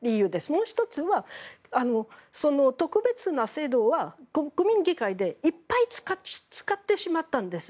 もう１つは特別な制度は国民議会でいっぱい使ってしまったんです。